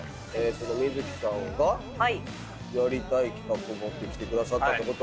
観月さんがやりたい企画を持ってきてくださったと。